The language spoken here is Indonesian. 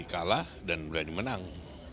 kalah dan berani menang